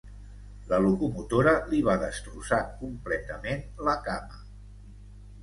La locomotora li va destrossar completament la cama.